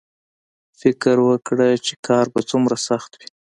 فکر وکړه چې کار به څومره سخت وي